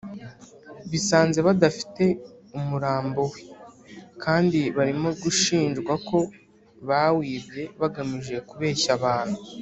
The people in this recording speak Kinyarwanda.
bisanze badafite umurambo we, kandi barimo gushinjwa ko bawibye bagamije kubeshya abantu